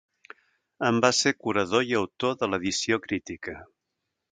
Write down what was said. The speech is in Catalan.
En va ser curador i autor de l’edició crítica.